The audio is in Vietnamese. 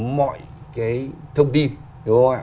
mọi cái thông tin đúng không ạ